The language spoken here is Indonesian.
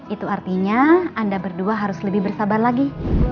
itu artinya anda berdua harus lebih bersabar lagi